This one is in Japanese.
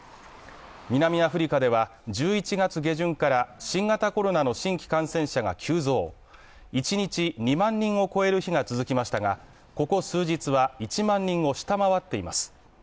南アフリカでは１１月下旬から新型コロナの新規感染者が急増、一日２万人を超える日が続きましたがここ数日は１万人を下回っています。